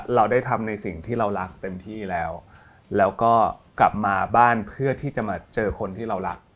เราได้ทำในสิ่งที่เรารักเต็มที่แล้วแล้วก็กลับมาบ้านเพื่อที่จะมาเจอคนที่เรารัก